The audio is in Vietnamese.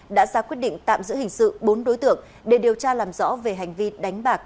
đã ra quyết định tạm giữ hình sự bốn đối tượng để điều tra làm rõ về hành vi đánh bạc